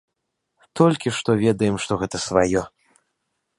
Толькі што ведаем, што гэта сваё.